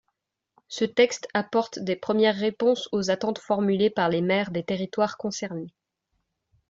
Ce texte apporte des premières réponses aux attentes formulées par les maires des territoires concernés.